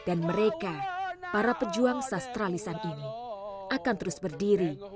dan mereka para pejuang sastralisan ini akan terus berdiri